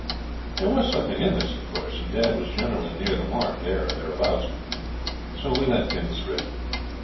There was something in this, of course, and dad was generally near the mark, there or thereabouts, so we let things drift.